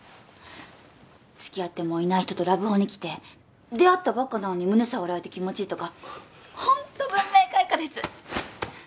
付き合ってもいない人とラブホに来て出会ったばっかなのに胸触られて気持ちいいとかホント文明開化です